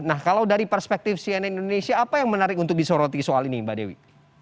nah kalau dari perspektif cnn indonesia apa yang menarik untuk disoroti soal ini mbak dewi